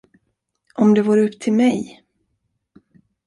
Om det vore upp till mig.